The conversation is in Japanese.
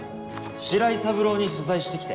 白井三郎に取材してきて。